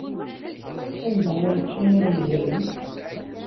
Anda ay ččan iḍ yezrin?